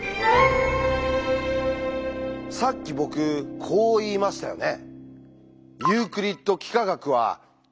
さっき僕こう言いましたよね。